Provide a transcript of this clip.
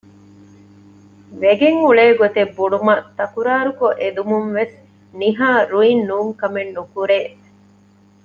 ވެގެން އުޅޭ ގޮތެއް ބުނުމަށް ތަކުރާރުކޮށް އެދުމުންވެސް ނިހާ ރުއިން ނޫންކަމެއް ނުކުރޭ